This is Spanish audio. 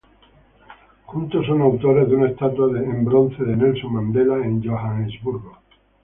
Juntos son autores de una estatua en bronce de Nelson Mandela en Johannesburgo.